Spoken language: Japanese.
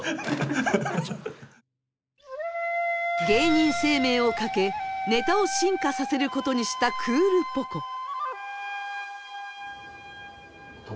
芸人生命を懸けネタを進化させることにした「クールポコ。」。